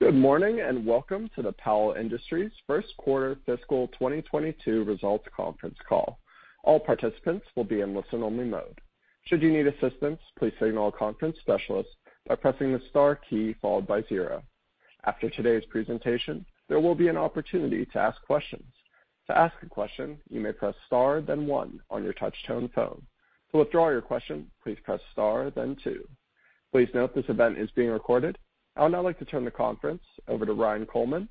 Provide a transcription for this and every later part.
Good morning, and welcome to the Powell Industries first quarter fiscal 2022 results conference call. All participants will be in listen only mode. Should you need assistance, please signal a conference specialist by pressing the star key followed by zero. After today's presentation, there will be an opportunity to ask questions. To ask a question, you may press star then one on your touchtone phone. To withdraw your question, please press star then two. Please note this event is being recorded. I would now like to turn the conference over to Ryan Coleman.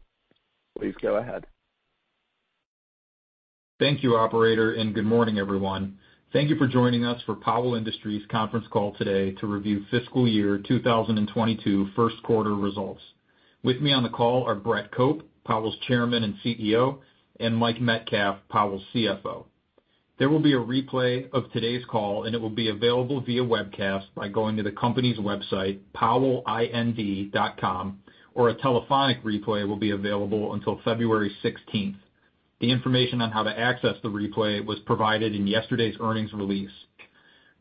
Please go ahead. Thank you operator, and good morning everyone. Thank you for joining us for Powell Industries conference call today to review fiscal year 2022 first quarter results. With me on the call are Brett Cope, Powell's Chairman and CEO, and Mike Metcalf, Powell's CFO. There will be a replay of today's call, and it will be available via webcast by going to the company's website, powellind.com, or a telephonic replay will be available until February 16th. The information on how to access the replay was provided in yesterday's earnings release.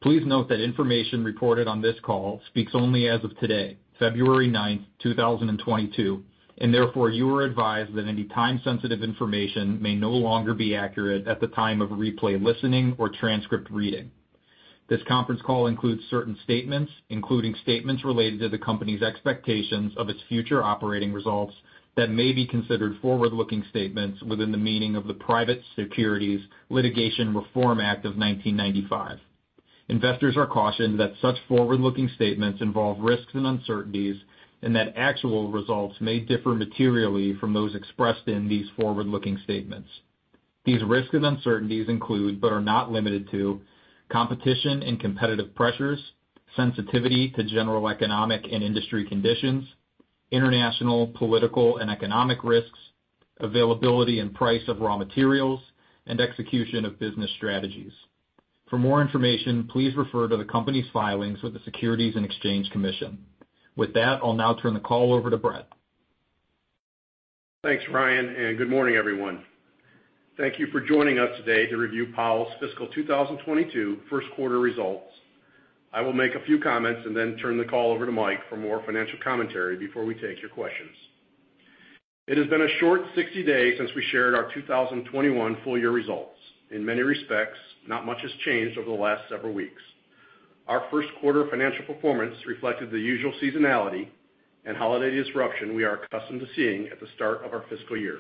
Please note that information reported on this call speaks only as of today, February 9, 2022, and therefore you are advised that any time-sensitive information may no longer be accurate at the time of replay listening or transcript reading. This conference call includes certain statements, including statements related to the company's expectations of its future operating results that may be considered forward-looking statements within the meaning of the Private Securities Litigation Reform Act of 1995. Investors are cautioned that such forward-looking statements involve risks and uncertainties and that actual results may differ materially from those expressed in these forward-looking statements. These risks and uncertainties include, but are not limited to, competition and competitive pressures, sensitivity to general economic and industry conditions, international, political and economic risks, availability and price of raw materials, and execution of business strategies. For more information, please refer to the company's filings with the Securities and Exchange Commission. With that, I'll now turn the call over to Brett. Thanks, Ryan, and good morning everyone. Thank you for joining us today to review Powell's fiscal 2022 first quarter results. I will make a few comments and then turn the call over to Mike for more financial commentary before we take your questions. It has been a short 60 days since we shared our 2021 full year results. In many respects, not much has changed over the last several weeks. Our first quarter financial performance reflected the usual seasonality and holiday disruption we are accustomed to seeing at the start of our fiscal year.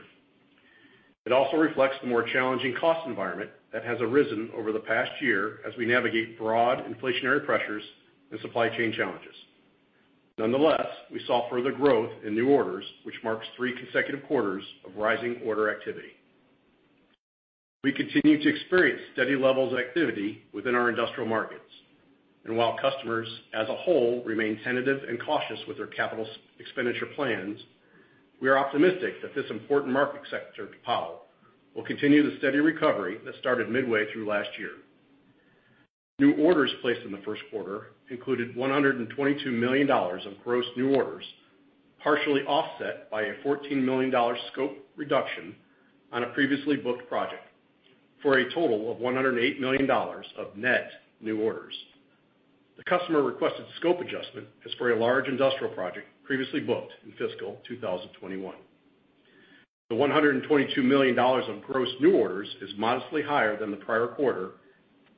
It also reflects the more challenging cost environment that has arisen over the past year as we navigate broad inflationary pressures and supply chain challenges. Nonetheless, we saw further growth in new orders, which marks three consecutive quarters of rising order activity. We continue to experience steady levels of activity within our industrial markets. While customers as a whole remain tentative and cautious with their capital expenditure plans, we are optimistic that this important market sector to Powell will continue the steady recovery that started midway through last year. New orders placed in the first quarter included $122 million of gross new orders, partially offset by a $14 million scope reduction on a previously booked project for a total of $108 million of net new orders. The customer requested scope adjustment is for a large industrial project previously booked in fiscal 2021. The $122 million on gross new orders is modestly higher than the prior quarter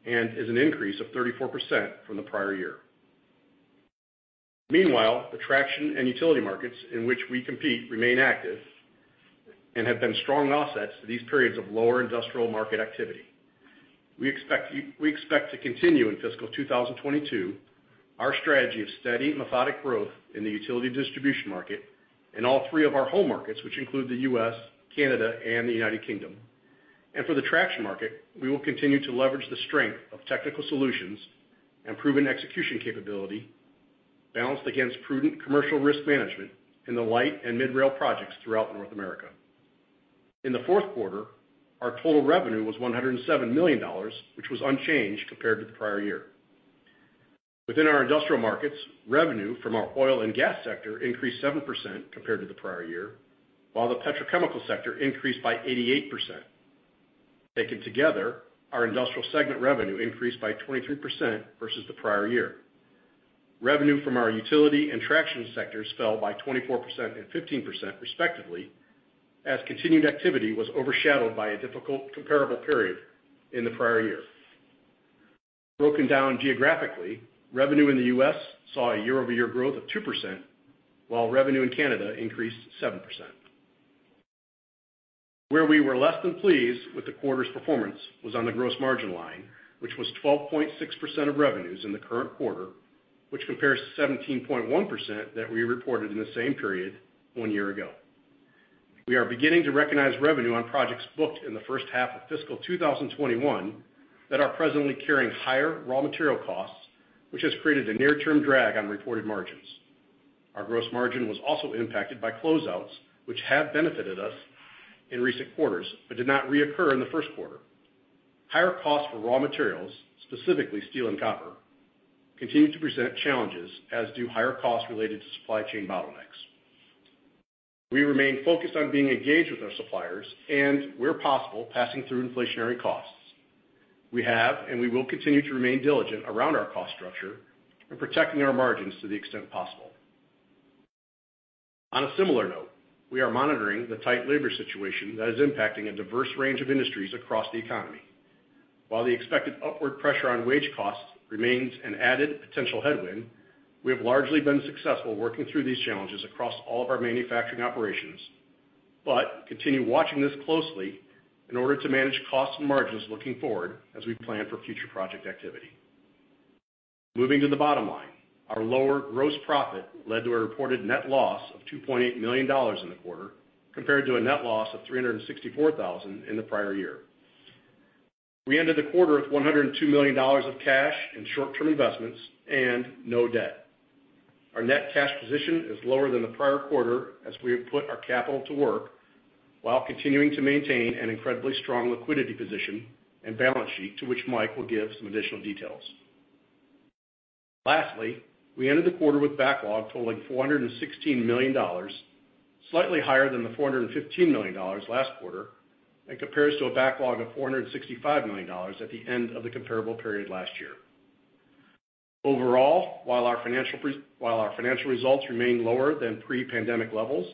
and is an increase of 34% from the prior year. Meanwhile, the traction and utility markets in which we compete remain active and have been strong offsets to these periods of lower industrial market activity. We expect to continue in fiscal 2022 our strategy of steady methodical growth in the utility distribution market in all three of our home markets, which include the U.S., Canada, and the U.K. For the traction market, we will continue to leverage the strength of technical solutions and proven execution capability balanced against prudent commercial risk management in the light and mid rail projects throughout North America. In the fourth quarter, our total revenue was $107 million, which was unchanged compared to the prior year. Within our industrial markets, revenue from our oil and gas sector increased 7% compared to the prior year, while the petrochemical sector increased by 88%. Taken together, our industrial segment revenue increased by 23% versus the prior year. Revenue from our utility and traction sectors fell by 24% and 15%, respectively, as continued activity was overshadowed by a difficult comparable period in the prior year. Broken down geographically, revenue in the U.S. saw a year-over-year growth of 2%, while revenue in Canada increased 7%. Where we were less than pleased with the quarter's performance was on the gross margin line, which was 12.6% of revenues in the current quarter, which compares to 17.1% that we reported in the same period one year ago. We are beginning to recognize revenue on projects booked in the first half of fiscal 2021 that are presently carrying higher raw material costs, which has created a near term drag on reported margins. Our gross margin was also impacted by closeouts, which have benefited us in recent quarters but did not reoccur in the first quarter. Higher costs for raw materials, specifically steel and copper, continue to present challenges, as do higher costs related to supply chain bottlenecks. We remain focused on being engaged with our suppliers, and where possible, passing through inflationary costs. We have, and we will continue to remain diligent around our cost structure and protecting our margins to the extent possible. On a similar note, we are monitoring the tight labor situation that is impacting a diverse range of industries across the economy. While the expected upward pressure on wage costs remains an added potential headwind, we have largely been successful working through these challenges across all of our manufacturing operations, but continue watching this closely in order to manage costs and margins looking forward as we plan for future project activity. Moving to the bottom line, our lower gross profit led to a reported net loss of $2.8 million in the quarter compared to a net loss of $364,000 in the prior year. We ended the quarter with $102 million of cash and short-term investments and no debt. Our net cash position is lower than the prior quarter as we have put our capital to work while continuing to maintain an incredibly strong liquidity position and balance sheet, to which Mike will give some additional details. Lastly, we ended the quarter with backlog totaling $416 million, slightly higher than the $415 million last quarter, and compares to a backlog of $465 million at the end of the comparable period last year. Overall, while our financial results remain lower than pre-pandemic levels,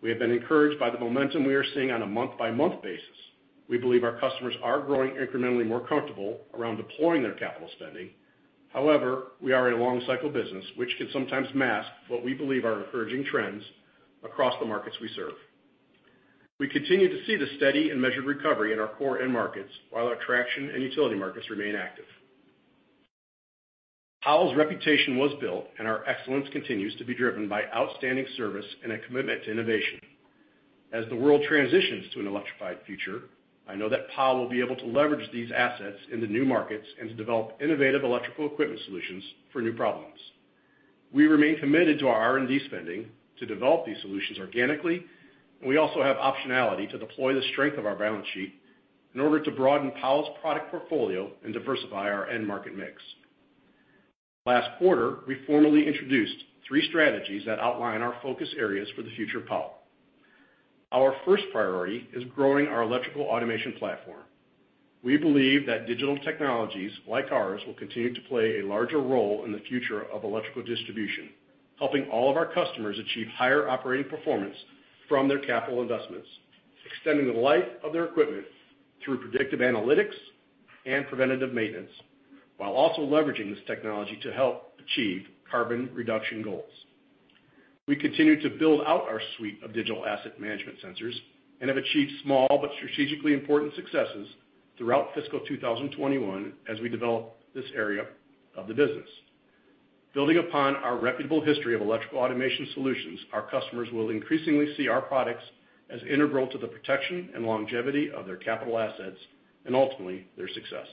we have been encouraged by the momentum we are seeing on a month-by-month basis. We believe our customers are growing incrementally more comfortable around deploying their capital spending. However, we are a long-cycle business, which can sometimes mask what we believe are encouraging trends across the markets we serve. We continue to see the steady and measured recovery in our core end markets while our traction and utility markets remain active. Powell's reputation was built and our excellence continues to be driven by outstanding service and a commitment to innovation. As the world transitions to an electrified future, I know that Powell will be able to leverage these assets into new markets and to develop innovative electrical equipment solutions for new problems. We remain committed to our R&D spending to develop these solutions organically, and we also have optionality to deploy the strength of our balance sheet in order to broaden Powell's product portfolio and diversify our end market mix. Last quarter, we formally introduced three strategies that outline our focus areas for the future of Powell. Our first priority is growing our electrical automation platform. We believe that digital technologies like ours will continue to play a larger role in the future of electrical distribution, helping all of our customers achieve higher operating performance from their capital investments, extending the life of their equipment through predictive analytics and preventative maintenance, while also leveraging this technology to help achieve carbon reduction goals. We continue to build out our suite of digital asset management sensors and have achieved small but strategically important successes throughout fiscal 2021 as we develop this area of the business. Building upon our reputable history of electrical automation solutions, our customers will increasingly see our products as integral to the protection and longevity of their capital assets and ultimately, their success.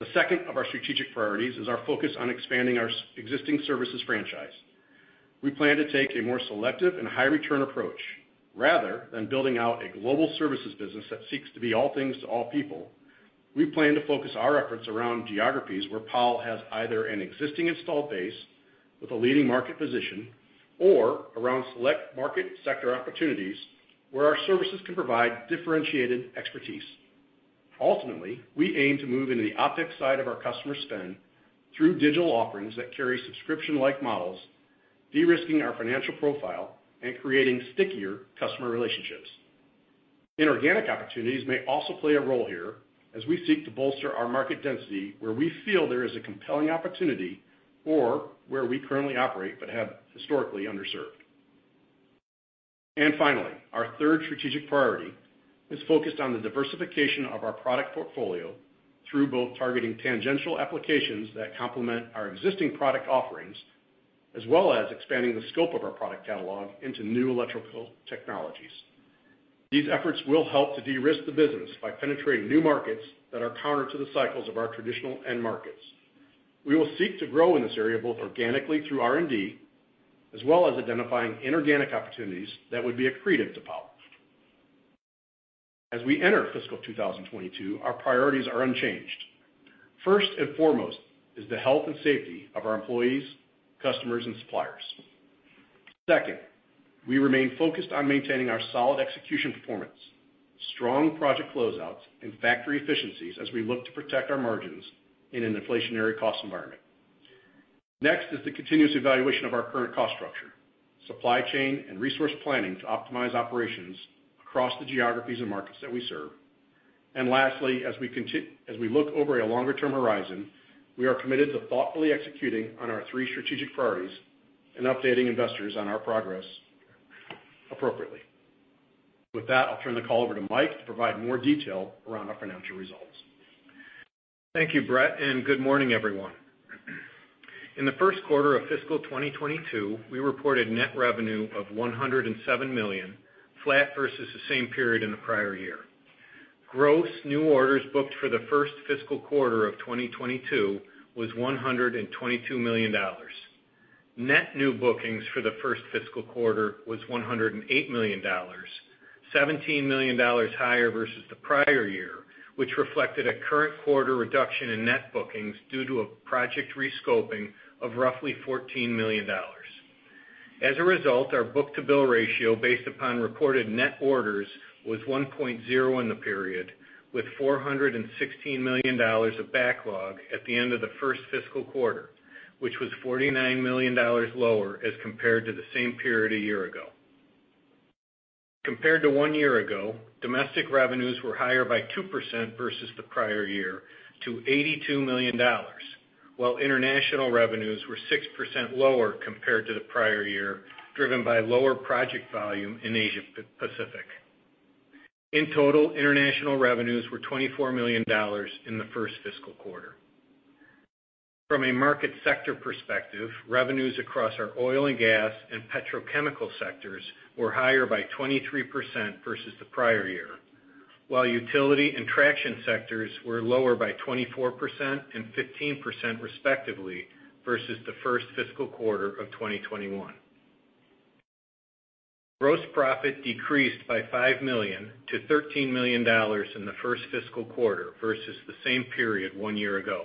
The second of our strategic priorities is our focus on expanding our existing services franchise. We plan to take a more selective and high-return approach rather than building out a global services business that seeks to be all things to all people. We plan to focus our efforts around geographies where Powell has either an existing installed base with a leading market position or around select market sector opportunities where our services can provide differentiated expertise. Ultimately, we aim to move into the OpEx side of our customer spend through digital offerings that carry subscription-like models, de-risking our financial profile and creating stickier customer relationships. Inorganic opportunities may also play a role here as we seek to bolster our market density where we feel there is a compelling opportunity or where we currently operate but have historically underserved. Finally, our third strategic priority is focused on the diversification of our product portfolio through both targeting tangential applications that complement our existing product offerings, as well as expanding the scope of our product catalog into new electrical technologies. These efforts will help to de-risk the business by penetrating new markets that are counter to the cycles of our traditional end markets. We will seek to grow in this area, both organically through R&D, as well as identifying inorganic opportunities that would be accretive to Powell. As we enter fiscal 2022, our priorities are unchanged. First and foremost is the health and safety of our employees, customers, and suppliers. Second, we remain focused on maintaining our solid execution performance, strong project closeouts, and factory efficiencies as we look to protect our margins in an inflationary cost environment. Next is the continuous evaluation of our current cost structure, supply chain, and resource planning to optimize operations across the geographies and markets that we serve. Lastly, as we look over a longer-term horizon, we are committed to thoughtfully executing on our three strategic priorities and updating investors on our progress appropriately. With that, I'll turn the call over to Mike to provide more detail around our financial results. Thank you, Brett, and good morning, everyone. In the first quarter of fiscal 2022, we reported net revenue of $107 million, flat versus the same period in the prior year. Gross new orders booked for the first fiscal quarter of 2022 was $122 million. Net new bookings for the first fiscal quarter was $108 million, $17 million higher versus the prior year, which reflected a current quarter reduction in net bookings due to a project re-scoping of roughly $14 million. As a result, our book-to-bill ratio based upon reported net orders was 1.0 in the period, with $416 million of backlog at the end of the first fiscal quarter, which was $49 million lower as compared to the same period a year ago. Compared to one year ago, domestic revenues were higher by 2% versus the prior year to $82 million, while international revenues were 6% lower compared to the prior year, driven by lower project volume in Asia Pacific. In total, international revenues were $24 million in the first fiscal quarter. From a market sector perspective, revenues across our oil and gas and petrochemical sectors were higher by 23% versus the prior year, while utility and traction sectors were lower by 24% and 15% respectively versus the first fiscal quarter of 2021. Gross profit decreased by $5 million-$13 million in the first fiscal quarter versus the same period one year ago.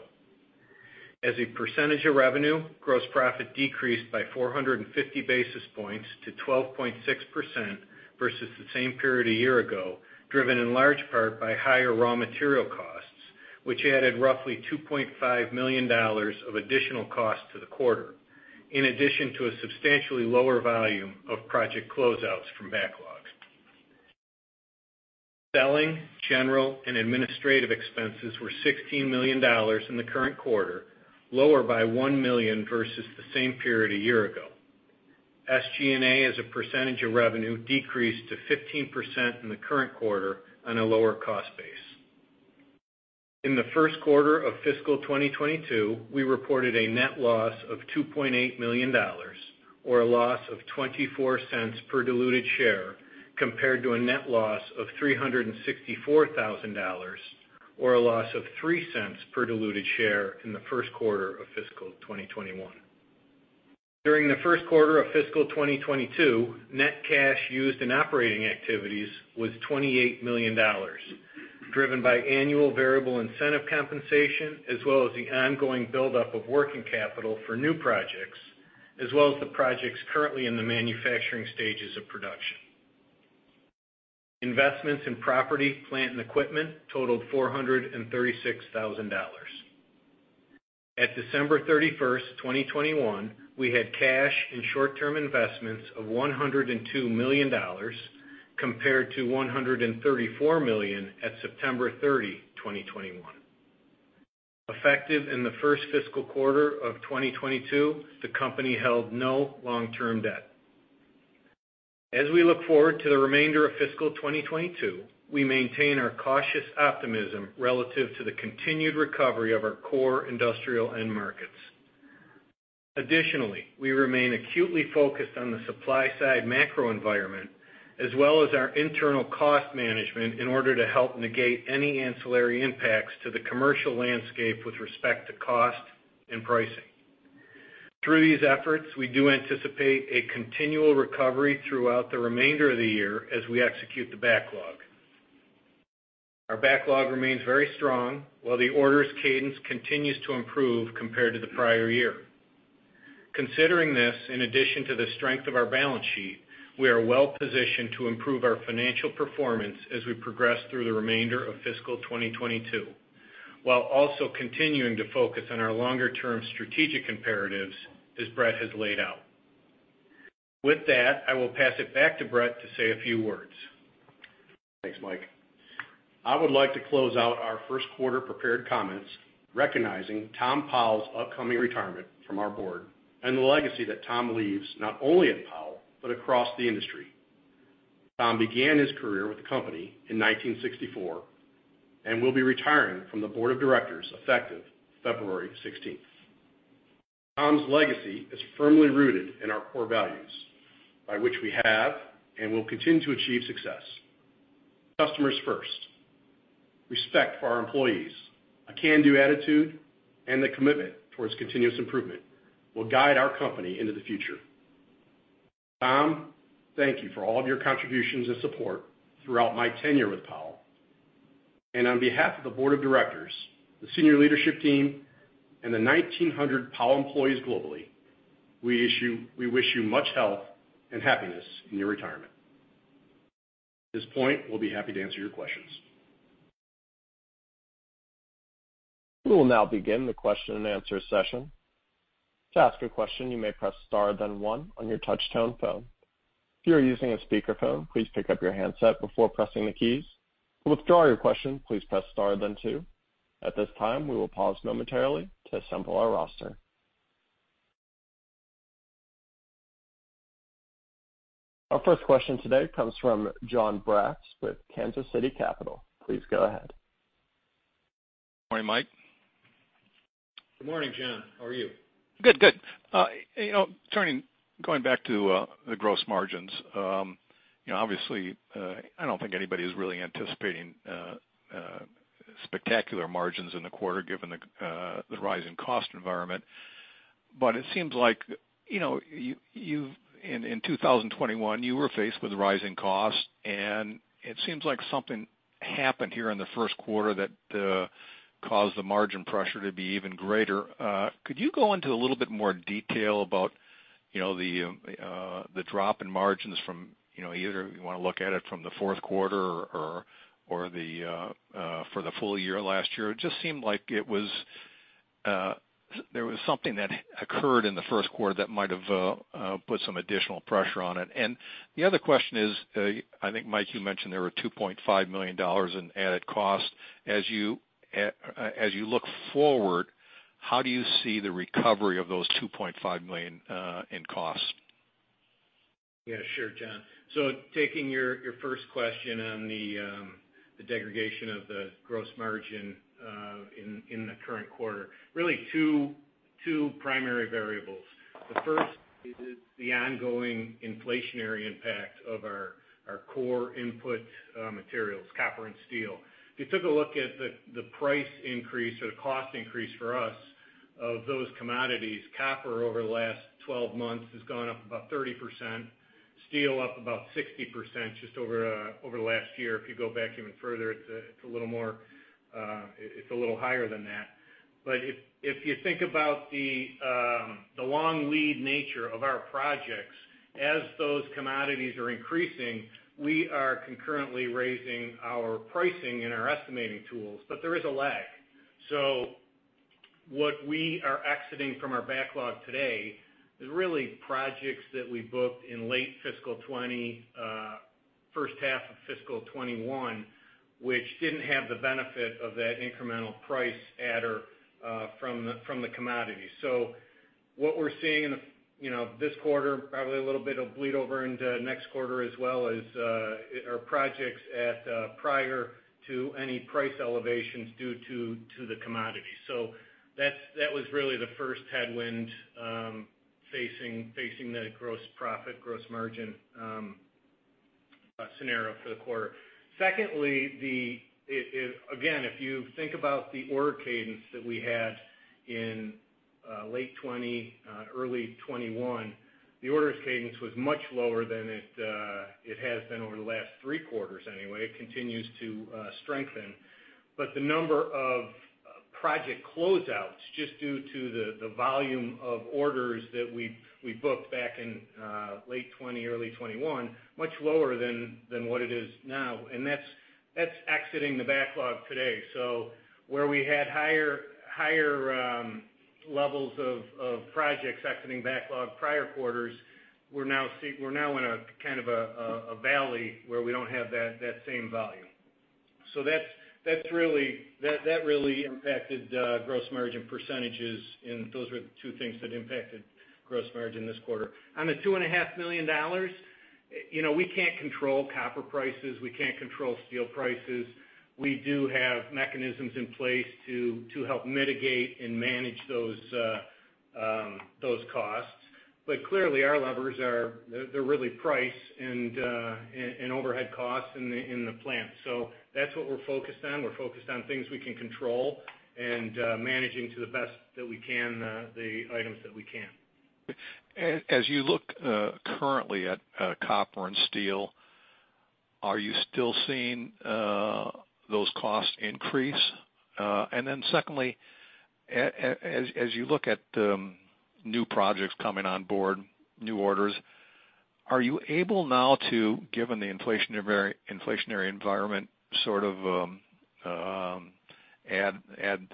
As a percentage of revenue, gross profit decreased by 450 basis points to 12.6% versus the same period a year ago, driven in large part by higher raw material costs, which added roughly $2.5 million of additional cost to the quarter, in addition to a substantially lower volume of project closeouts from backlogs. Selling, general, and administrative expenses were $16 million in the current quarter, lower by $1 million versus the same period a year ago. SG&A, as a percentage of revenue, decreased to 15% in the current quarter on a lower cost base. In the first quarter of fiscal 2022, we reported a net loss of $2.8 million, or a loss of $0.24 per diluted share, compared to a net loss of $364,000, or a loss of $0.03 per diluted share in the first quarter of fiscal 2021. During the first quarter of fiscal 2022, net cash used in operating activities was $28 million, driven by annual variable incentive compensation as well as the ongoing buildup of working capital for new projects, as well as the projects currently in the manufacturing stages of production. Investments in property, plant, and equipment totaled $436,000. At December 31st, 2021, we had cash and short-term investments of $102 million, compared to $134 million at September 30, 2021. Effective in the first fiscal quarter of 2022, the company held no long-term debt. As we look forward to the remainder of fiscal 2022, we maintain our cautious optimism relative to the continued recovery of our core industrial end markets. Additionally, we remain acutely focused on the supply-side macro environment as well as our internal cost management in order to help negate any ancillary impacts to the commercial landscape with respect to cost and pricing. Through these efforts, we do anticipate a continual recovery throughout the remainder of the year as we execute the backlog. Our backlog remains very strong, while the orders cadence continues to improve compared to the prior year. Considering this, in addition to the strength of our balance sheet, we are well positioned to improve our financial performance as we progress through the remainder of fiscal 2022, while also continuing to focus on our longer-term strategic imperatives as Brett has laid out. With that, I will pass it back to Brett to say a few words. Thanks, Mike. I would like to close out our first quarter prepared comments recognizing Tom Powell's upcoming retirement from our board and the legacy that Tom leaves not only at Powell, but across the industry. Tom began his career with the company in 1964 and will be retiring from the board of directors effective February 16th. Tom's legacy is firmly rooted in our core values, by which we have and will continue to achieve success. Customers first, respect for our employees, a can-do attitude, and the commitment towards continuous improvement will guide our company into the future. Tom, thank you for all of your contributions and support throughout my tenure with Powell. On behalf of the board of directors, the senior leadership team, and the 1,900 Powell employees globally, we wish you much health and happiness in your retirement. At this point, we'll be happy to answer your questions. We will now begin the question-and-answer session. To ask a question, you may press star, then one on your touch-tone phone. If you are using a speakerphone, please pick up your handset before pressing the keys. To withdraw your question, please press star, then two. At this time, we will pause momentarily to assemble our roster. Our first question today comes from Jon Braatz with Kansas City Capital. Please go ahead. Good morning, Mike. Good morning, John. How are you? Good. You know, going back to the gross margins, you know, obviously, I don't think anybody is really anticipating spectacular margins in the quarter, given the rising cost environment. It seems like, you know, in 2021, you were faced with rising costs, and it seems like something happened here in the first quarter that caused the margin pressure to be even greater. Could you go into a little bit more detail about, you know, the drop in margins from, you know, either you wanna look at it from the fourth quarter or for the full year last year? It just seemed like it was, there was something that occurred in the first quarter that might have put some additional pressure on it. The other question is, I think, Mike, you mentioned there were $2.5 million in added costs. As you look forward, how do you see the recovery of those $2.5 million in costs? Yeah. Sure, Jon. Taking your first question on the degradation of the gross margin in the current quarter, really two primary variables. The first is the ongoing inflationary impact of our core input materials, copper and steel. If you took a look at the price increase or the cost increase for us of those commodities, copper over the last 12 months has gone up about 30%, steel up about 60% just over the last year. If you go back even further, it's a little more, it's a little higher than that. But if you think about the long lead nature of our projects, as those commodities are increasing, we are concurrently raising our pricing and our estimating tools, but there is a lag. What we are exiting from our backlog today is really projects that we booked in late fiscal 2020, first half of fiscal 2021, which didn't have the benefit of that incremental price adder from the commodity. What we're seeing in this quarter, probably a little bit of bleed over into next quarter as well, is our projects at prior to any price elevations due to the commodity. That was really the first headwind facing the gross profit, gross margin scenario for the quarter. Secondly, again, if you think about the order cadence that we had in late 2020, early 2021, the orders cadence was much lower than it has been over the last three quarters anyway. It continues to strengthen. The number of project closeouts just due to the volume of orders that we booked back in late 2020, early 2021, much lower than what it is now. That's exiting the backlog today. Where we had higher levels of projects exiting backlog prior quarters, we're now in a kind of a valley where we don't have that same volume. That's really impacted gross margin percentages, and those were the two things that impacted gross margin this quarter. On the $2.5 million, you know, we can't control copper prices. We can't control steel prices. We do have mechanisms in place to help mitigate and manage those costs. Clearly, our levers are, they're really price and overhead costs in the plant. That's what we're focused on. We're focused on things we can control and managing to the best that we can, the items that we can. As you look currently at copper and steel, are you still seeing those costs increase? Secondly, as you look at new projects coming on board, new orders, are you able now to, given the inflationary environment, sort of add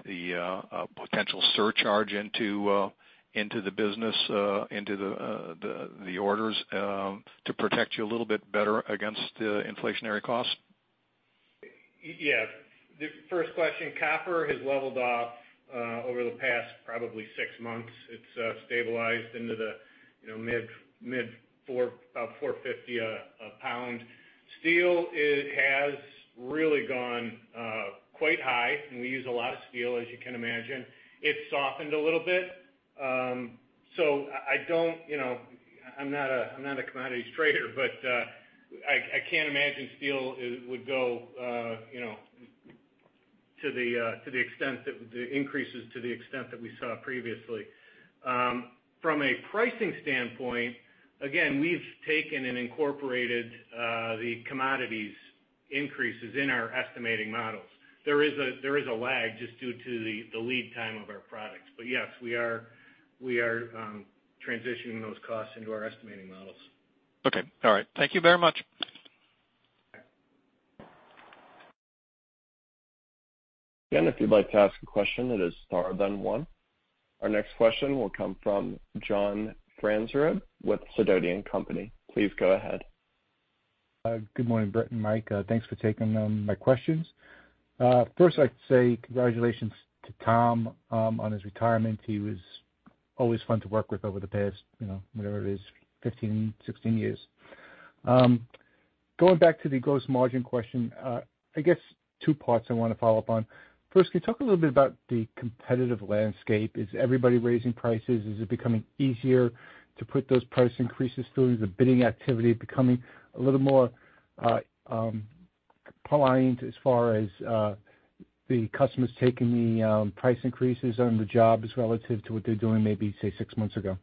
the potential surcharge into the business, into the orders, to protect you a little bit better against the inflationary costs? Yes. The first question, copper has leveled off over the past probably six months. It's stabilized in the you know mid four, about $4.50 a pound. Steel it has really gone quite high, and we use a lot of steel, as you can imagine. It's softened a little bit. I don't, you know, I'm not a commodities trader, but I can't imagine steel would go you know to the extent of the increases that we saw previously. From a pricing standpoint, again, we've taken and incorporated the commodities increases in our estimating models. There is a lag just due to the lead time of our products. Yes, we are transitioning those costs into our estimating models. Okay. All right. Thank you very much. Again, if you'd like to ask a question, it is star then one. Our next question will come from John Franzreb with Sidoti & Company. Please go ahead. Good morning, Brett and Mike. Thanks for taking my questions. First, I'd like to say congratulations to Tom on his retirement. He was always fun to work with over the past, you know, whatever it is, 15, 16 years. Going back to the gross margin question, I guess two parts I wanna follow up on. First, can you talk a little bit about the competitive landscape? Is everybody raising prices? Is it becoming easier to put those price increases through? Is the bidding activity becoming a little more rational, and as far as the customers taking the price increases on the jobs relative to what they're doing, maybe say six months ago.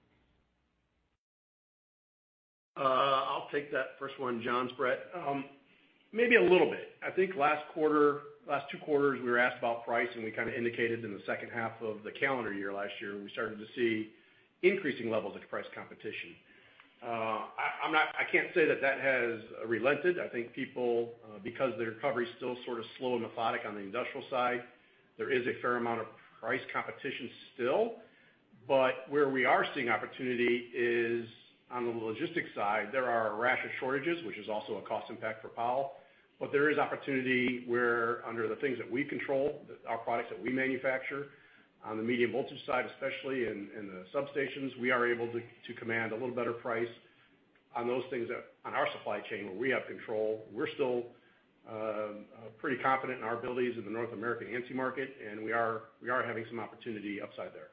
I'll take that first one, John, it's Brett. Maybe a little bit. I think last two quarters, we were asked about price, and we kinda indicated in the second half of the calendar year last year, we started to see increasing levels of price competition. I can't say that has relented. I think people, because the recovery is still sort of slow and methodical on the industrial side, there is a fair amount of price competition still. But where we are seeing opportunity is on the logistics side, there are a rash of shortages, which is also a cost impact for Powell. There is opportunity where under the things that we control, our products that we manufacture on the medium voltage side, especially in the substations, we are able to command a little better price on those things that on our supply chain where we have control. We're still pretty confident in our abilities in the North American ANSI market, and we are having some opportunity upside there.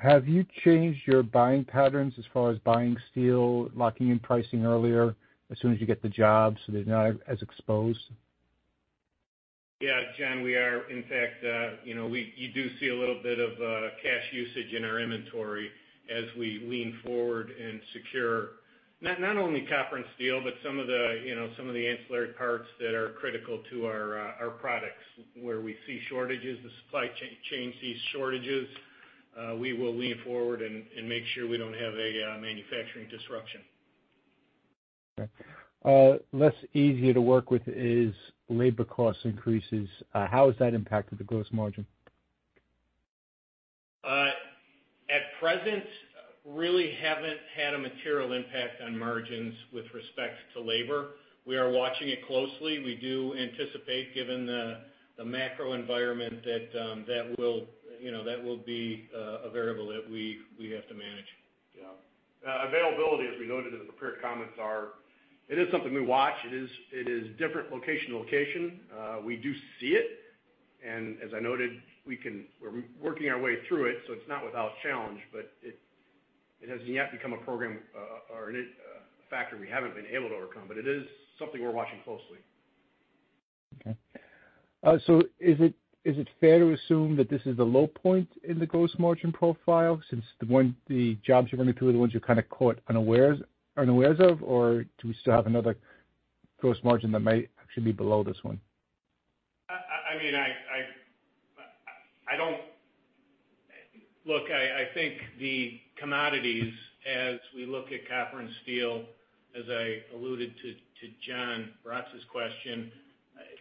Have you changed your buying patterns as far as buying steel, locking in pricing earlier as soon as you get the job so they're not as exposed? Yeah, John, we are. In fact, you know, you do see a little bit of cash usage in our inventory as we lean forward and secure not only copper and steel, but some of the, you know, some of the ancillary parts that are critical to our products. Where we see shortages, the supply chains see shortages, we will lean forward and make sure we don't have a manufacturing disruption. Okay. Less easy to work with is labor cost increases. How has that impacted the gross margin? At present, really haven't had a material impact on margins with respect to labor. We are watching it closely. We do anticipate, given the macro environment that will be a variable that we have to manage. Yeah. Availability, as we noted in the prepared comments, it is something we watch. It is different location to location. We do see it. As I noted, we're working our way through it, so it's not without challenge, but it hasn't yet become a problem or a factor we haven't been able to overcome. It is something we're watching closely. Okay, is it fair to assume that this is the low point in the gross margin profile since the jobs you're running through are the ones you're kinda caught unawares of, or do we still have another gross margin that may actually be below this one? I mean, look, I think the commodities as we look at copper and steel, as I alluded to Jon Braatz's question,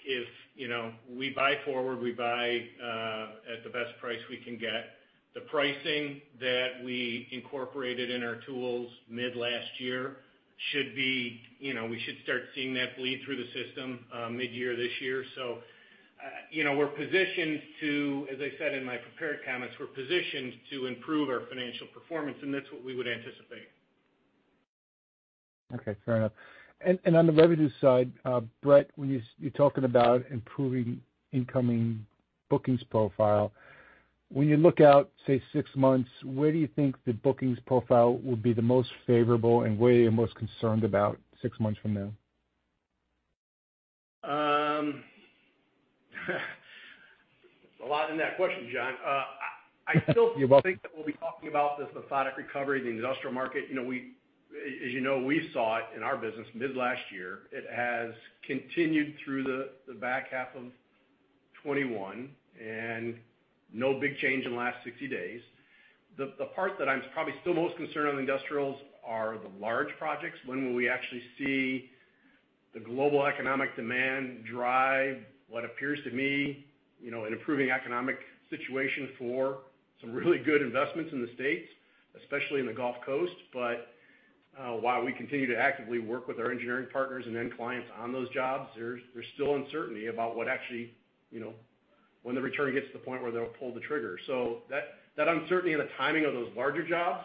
you know, we buy forward at the best price we can get. The pricing that we incorporated in our tools mid last year should be, you know, we should start seeing that bleed through the system mid-year this year. You know, we're positioned to, as I said in my prepared comments, improve our financial performance, and that's what we would anticipate. Okay, fair enough. On the revenue side, Brett, when you're talking about improving incoming bookings profile, when you look out, say, six months, where do you think the bookings profile would be the most favorable and where you're most concerned about six months from now? There's a lot in that question, John. You're welcome. I still think that we'll be talking about this methodical recovery in the industrial market. You know, as you know, we saw it in our business mid last year. It has continued through the back half of 2021, and no big change in the last 60 days. The part that I'm probably still most concerned on industrials are the large projects. When will we actually see the global economic demand drive what appears to me, you know, an improving economic situation for some really good investments in the States, especially in the Gulf Coast? But while we continue to actively work with our engineering partners and end clients on those jobs, there's still uncertainty about what actually, you know, when the return gets to the point where they'll pull the trigger. That uncertainty and the timing of those larger jobs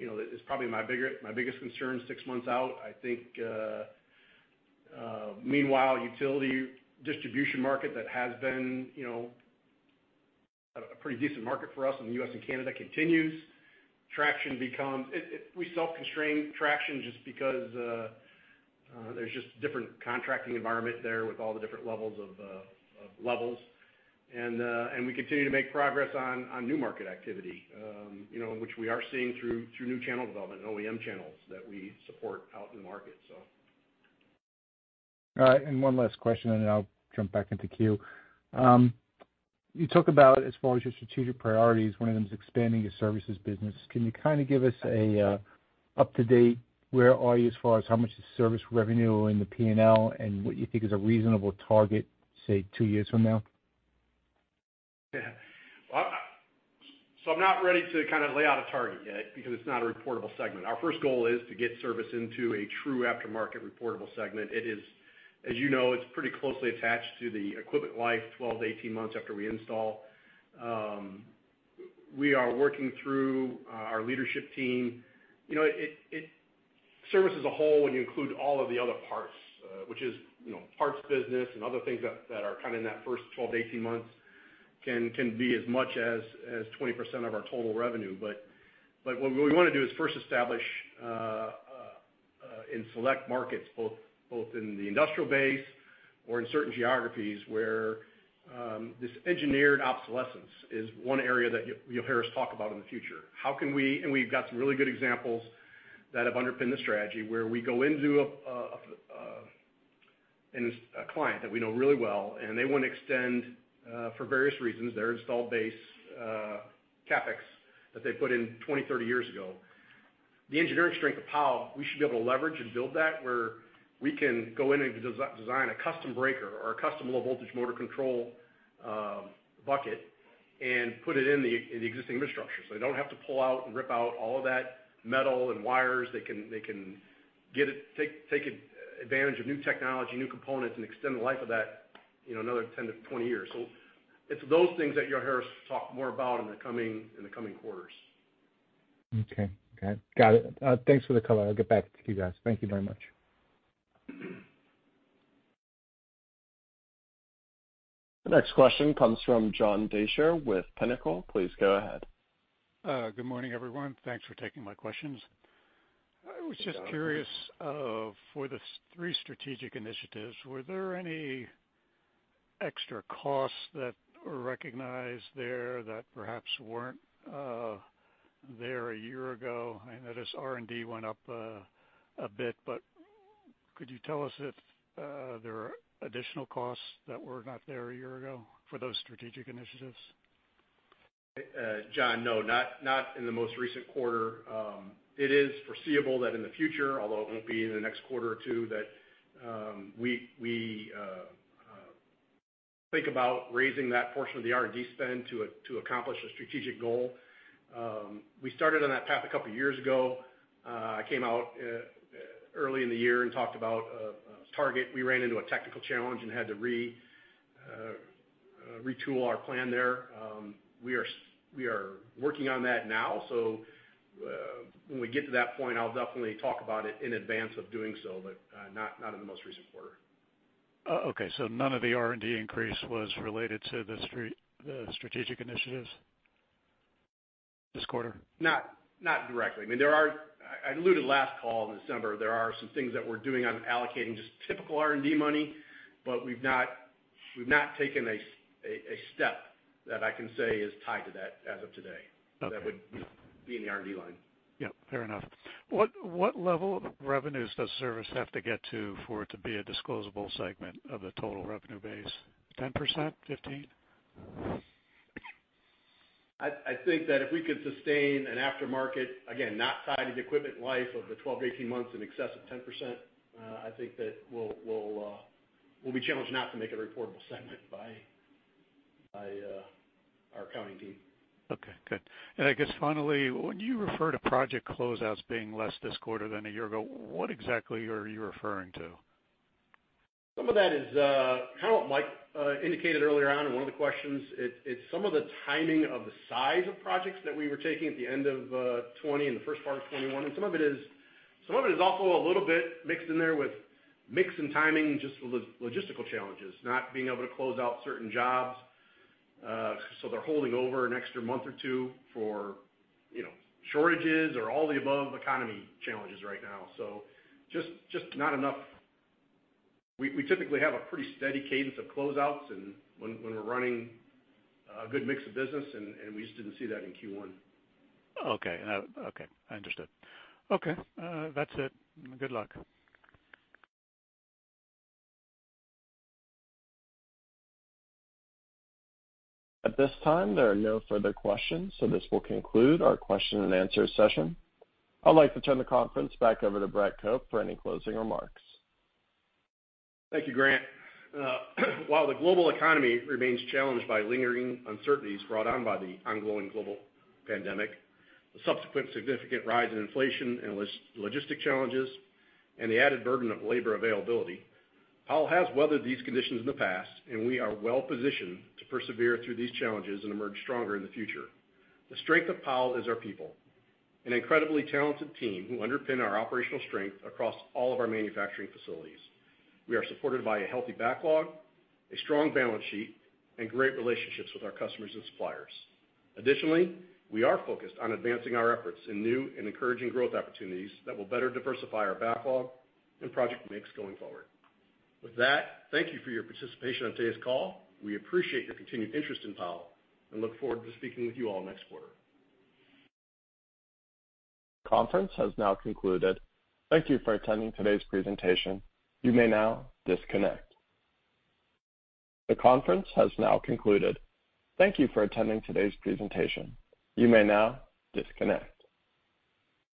is probably my biggest concern six months out. I think, meanwhile, the utility distribution market that has been a pretty decent market for us in the U.S. and Canada continues. We self-constrain traction just because there's just different contracting environment there with all the different levels of levels. We continue to make progress on new market activity, which we are seeing through new channel development, OEM channels that we support out in the market. All right, and one last question, and then I'll jump back into queue. You talk about as far as your strategic priorities, one of them is expanding your services business. Can you kinda give us a up-to-date where are you as far as how much is service revenue in the P&L and what you think is a reasonable target, say, two years from now? Yeah. Well, I'm not ready to kinda lay out a target yet because it's not a reportable segment. Our first goal is to get service into a true aftermarket reportable segment. It is, as you know, it's pretty closely attached to the equipment life, 12-18 months after we install. We are working through our leadership team. You know, service as a whole, when you include all of the other parts, which is, you know, parts business and other things that are kinda in that first 12-18 months, can be as much as 20% of our total revenue. What we wanna do is first establish in select markets both in the industrial base or in certain geographies where this engineered obsolescence is one area that you'll hear us talk about in the future, how can we've got some really good examples that have underpinned the strategy where we go into a client that we know really well, and they wanna extend for various reasons their installed base CapEx that they put in 20, 30 years ago. The engineering strength of Powell, we should be able to leverage and build that, where we can go in and de-design a custom breaker or a custom low voltage motor control bucket and put it in the existing infrastructure. They don't have to pull out and rip out all of that metal and wires. They can take advantage of new technology, new components, and extend the life of that, you know, another 10-20 years. It's those things that you'll hear us talk more about in the coming quarters. Okay. Got it. Thanks for the color. I'll get back to you guys. Thank you very much. The next question comes from John Deysher with Pinnacle. Please go ahead. Good morning, everyone. Thanks for taking my questions. Yeah. I was just curious, for the three strategic initiatives, were there any extra costs that were recognized there that perhaps weren't there a year ago? I notice R&D went up a bit, but could you tell us if there are additional costs that were not there a year ago for those strategic initiatives? John, no, not in the most recent quarter. It is foreseeable that in the future, although it won't be in the next quarter or two, that we think about raising that portion of the R&D spend to accomplish a strategic goal. We started on that path a couple of years ago. I came out early in the year and talked about a target. We ran into a technical challenge and had to retool our plan there. We are working on that now. When we get to that point, I'll definitely talk about it in advance of doing so, but not in the most recent quarter. Oh, okay. None of the R&D increase was related to the strategic initiatives this quarter? Not directly. I mean, there are some things that we're doing on allocating just typical R&D money, but we've not taken a step that I can say is tied to that as of today. Okay. That would be in the R&D line. Yep, fair enough. What level of revenues does service have to get to for it to be a disclosable segment of the total revenue base? 10%? 15%? I think that if we could sustain an aftermarket, again, not tied to the equipment life of the 12-18 months in excess of 10%, I think that we'll be challenged not to make it a reportable segment by our accounting team. Okay, good. I guess finally, when you refer to project closeouts being less this quarter than a year ago, what exactly are you referring to? Some of that is kind of what Mike indicated earlier on in one of the questions. It's some of the timing of the size of projects that we were taking at the end of 2020 and the first part of 2021. Some of it is also a little bit mixed in there with mix and timing, just logistical challenges, not being able to close out certain jobs. They're holding over an extra month or two for, you know, shortages or all the above economic challenges right now. Just not enough. We typically have a pretty steady cadence of closeouts and when we're running a good mix of business and we just didn't see that in Q1. Okay. No, okay, I understand. Okay, that's it. Good luck. At this time, there are no further questions. This will conclude our question-and-answer session. I'd like to turn the conference back over to Brett Cope for any closing remarks. Thank you, Grant. While the global economy remains challenged by lingering uncertainties brought on by the ongoing global pandemic, the subsequent significant rise in inflation and logistic challenges, and the added burden of labor availability, Powell has weathered these conditions in the past, and we are well-positioned to persevere through these challenges and emerge stronger in the future. The strength of Powell is our people, an incredibly talented team who underpin our operational strength across all of our manufacturing facilities. We are supported by a healthy backlog, a strong balance sheet, and great relationships with our customers and suppliers. Additionally, we are focused on advancing our efforts in new and encouraging growth opportunities that will better diversify our backlog and project mix going forward. With that, thank you for your participation on today's call. We appreciate your continued interest in Powell and look forward to speaking with you all next quarter. Conference has now concluded. Thank you for attending today's presentation. You may now disconnect. The conference has now concluded. Thank you for attending today's presentation. You may now disconnect.